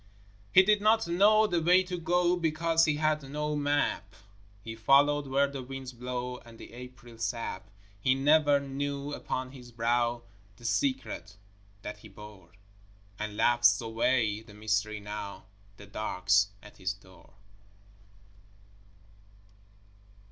He did not know the way to go, Because he had no map: He followed where the winds blow, And the April sap. He never knew upon his brow The secret that he bore, And laughs away the mystery now The dark's at his door.